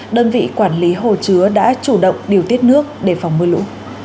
đơn vị quản lý hồ chứa đã chủ động điều tiết nước để phòng mưa lũ